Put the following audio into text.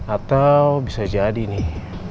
atau bisa jadi nih